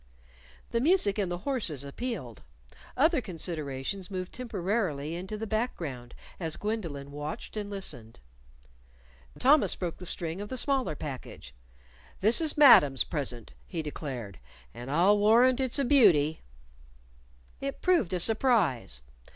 The music and the horses appealed. Other considerations moved temporarily into the background as Gwendolyn watched and listened. Thomas broke the string of the smaller package. "This is the Madam's present," he declared. "And I'll warrant it's a beauty!" It proved a surprise.